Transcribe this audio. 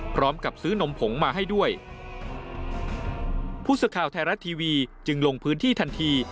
พร้อมกับซื้อนมผงมาให้ด้วยผู้สื่อข่าวไทยรัฐทีวีจึงลงพื้นที่ทันที